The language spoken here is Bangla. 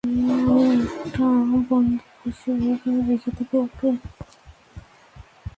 আমি এটা বন্ধক হিসেবে রেখে দিবো, ওকে?